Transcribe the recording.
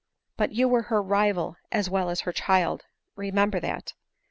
" But you were her rival as well as her child ; re member that.